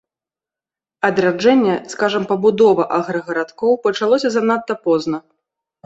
Адраджэнне, скажам, пабудова аграгарадкоў, пачалося занадта позна.